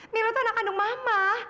milu tuh anak kandung mama